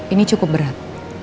ini cukup berat